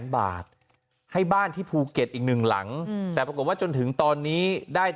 บาทให้บ้านที่ภูเก็ตอีกหนึ่งหลังแต่ปรากฏว่าจนถึงตอนนี้ได้